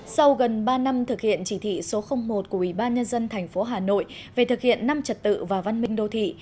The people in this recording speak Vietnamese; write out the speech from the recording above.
sau gần ba năm thực hiện chỉ thị số một của ủy ban nhân dân thành phố hà nội về thực hiện năm trật tự và văn minh đô thị